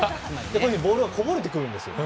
ボールがこぼれてくるんです。